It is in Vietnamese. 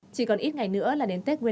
chỉ còn ít ngày nữa là đề nghị